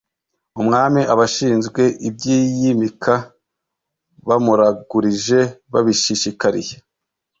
umwami abashinzwe iby’iyimika bamuragurije babishishikariye